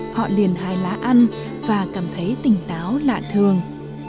họ liền hái lá ăn và cảm thấy tỉnh táo lạ thường